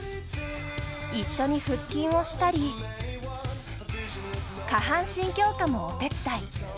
一緒に腹筋をしたり、下半身強化もお手伝い。